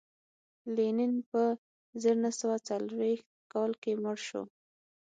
لینین په زر نه سوه څلرویشت کال کې مړ شو